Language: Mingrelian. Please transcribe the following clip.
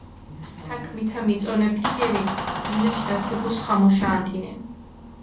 თაქ მითა მიწონებჷ თინერი, რინაშ დათებუს ხამუშა ანტინენ.